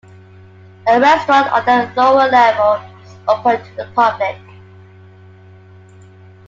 A restaurant on the lower level is open to the public.